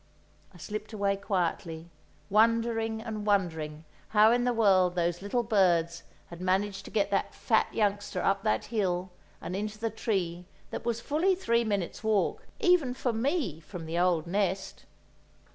I slipped away quietly, wondering and wondering how in the world those little birds had managed to get that fat youngster up that hill and into the tree that was fully three minutes' walk, even for me, from the old nest!